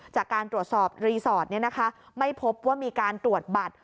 จากการตรวจสอบรีสอร์ทไม่พบว่ามีการตรวจบัตร